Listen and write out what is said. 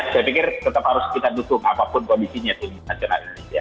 saya pikir tetap harus kita dukung apapun kondisinya tim nasional indonesia